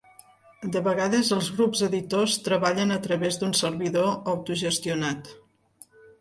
De vegades els grups editors treballen a través d'un servidor autogestionat.